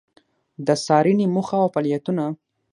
د څــارنـې موخـه او فعالیـتونـه: